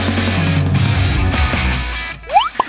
ส่วนยังแบร์ดแซมแบร์ด